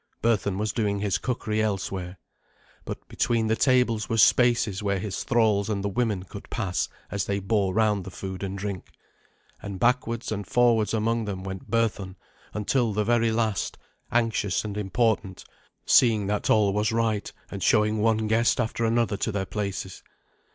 Berthun was doing his cookery elsewhere. But between the tables were spaces where his thralls and the women could pass as they bore round the food and drink. And backwards and forwards among them went Berthun until the very last, anxious and important, seeing that all was right, and showing one guest after another to their places.